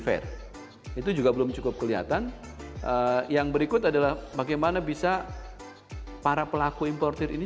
fair itu juga belum cukup kelihatan yang berikut adalah bagaimana bisa para pelaku importer ini